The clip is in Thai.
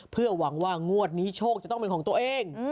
เพื่อหวังว่างวดนี้โชคจะต้องเป็นของตัวเอง